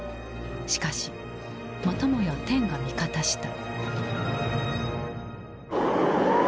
しかしまたもや天が味方した。